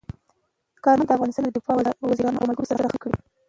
کارمل د افغانستان د دفاع وزیرانو او ملګرو سره خبرې کړي.